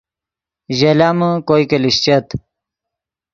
ژے لامے کوئے کہ لیشچت